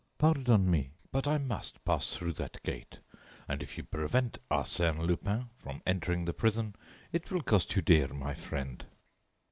"Pardon me, but I must pass through that gate. And if you prevent Arsène Lupin from entering the prison it will cost you dear, my friend."